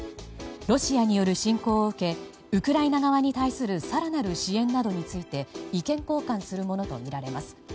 ロシアによる侵攻を受けウクライナ側に対する更なる支援などについて意見交換するものとみられます。